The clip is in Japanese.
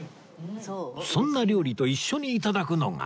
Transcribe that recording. そんな料理と一緒に頂くのが